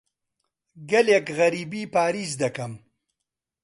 گەلێک غەریبی پاریس دەکەم.